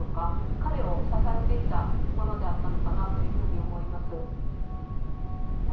彼を支えていたものであったのかなというふうに思います。